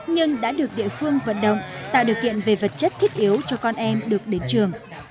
nhưng đã được địa phương vận động tạo điều kiện về vật chất thiết yếu cho con em được đến trường